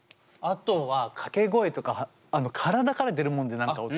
あとは掛け声とか体から出るもんで何かを。